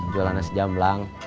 jualan nasi jamblang